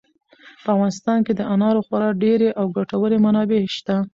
په افغانستان کې د انارو خورا ډېرې او ګټورې منابع شته.